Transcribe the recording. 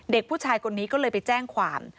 เด็กผู้ชายคนนี้ก็เลยไปแจ้งความ